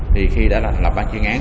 thì khi đã thành lập ban chuyên án